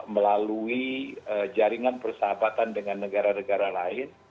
melalui jaringan persahabatan dengan negara negara lain